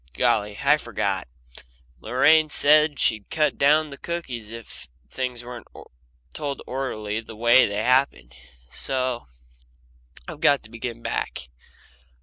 Golly, I forgot. Lorraine said she'd cut down the cookies if things weren't told orderly the way they happened. So I've got to begin back.